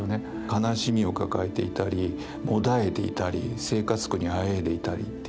悲しみを抱えていたりもだえていたり生活苦にあえいでいたりっていう人たちね。